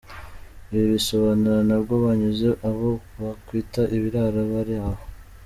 Ibi bisobanuro ntabwo byanyuze abo wakwita ibirara bari aho.